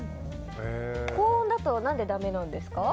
高温だと何でだめなんですか。